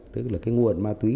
tức là cái nguồn ma túy